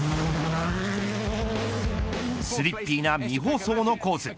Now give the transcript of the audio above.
スリッピーな未舗装のコース。